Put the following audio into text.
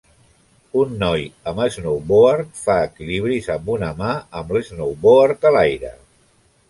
Un noi amb snowboard fa equilibris amb una mà amb l'snowboard a l'aire.